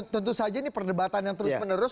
tentu saja ini perdebatan yang terus menerus